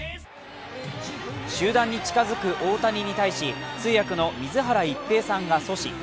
集団に近づく大谷に対し通訳の水原一平さんが阻止。